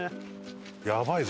やばいぞ！